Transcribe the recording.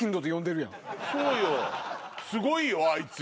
そうよすごいよあいつ。